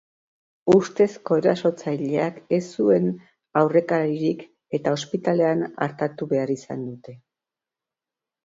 Ustezko erasotzaileak ez zuen aurrekaririk eta ospitalean artatu behar izan dute.